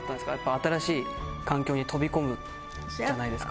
新しい環境に飛び込むじゃないですか。